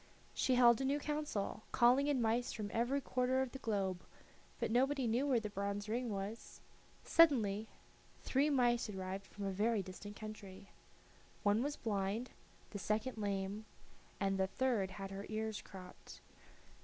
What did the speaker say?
She held a new council, calling in mice from every quarter of the globe, but nobody knew where the bronze ring was. Suddenly three mice arrived from a very distant country. One was blind, the second lame, and the third had her ears cropped.